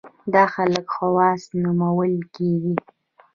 دا خلک خواص نومول کېږي.